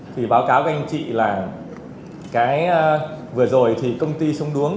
thì báo cáo của anh chị là vừa rồi công ty sông đuống